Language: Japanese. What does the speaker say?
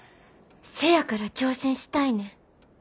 せやから挑戦したいねん。